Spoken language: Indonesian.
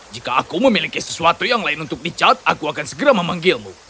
jika aku memiliki sesuatu yang lain untuk dicat aku akan segera memanggilmu